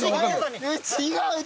違う。